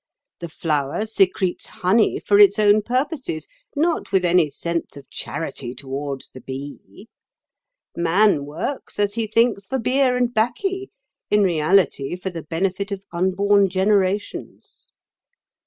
The flower secretes honey for its own purposes, not with any sense of charity towards the bee. Man works, as he thinks, for beer and baccy; in reality, for the benefit of unborn generations.